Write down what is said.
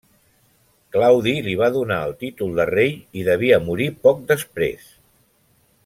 Claudi li va donar el títol de rei, i devia morir poc després.